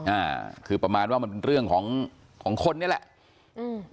อ่าคือประมาณว่ามันเป็นเรื่องของของคนนี่แหละอืม